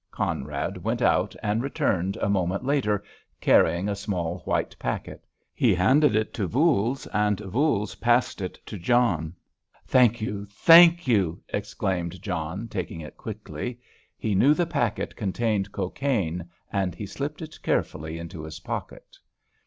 Conrad went out and returned a moment later, carrying a small white packet. He handed it to Voules, and Voules passed it to John. "Thank you—thank you!" exclaimed John, taking it quickly. He knew the packet contained cocaine, and he slipped it carefully into his pocket.